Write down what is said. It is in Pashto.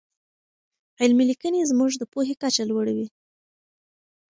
علمي لیکنې زموږ د پوهې کچه لوړوي.